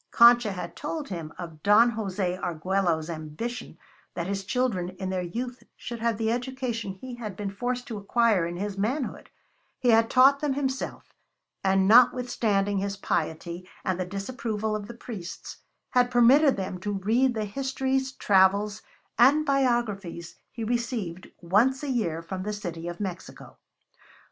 Concha had told him of Don Jose Arguello's ambition that his children in their youth should have the education he had been forced to acquire in his manhood; he had taught them himself, and notwithstanding his piety and the disapproval of the priests, had permitted them to read the histories, travels, and biographies he received once a year from the City of Mexico.